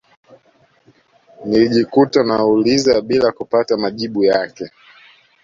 Nilijikuta nauliza bila kupata majibu yake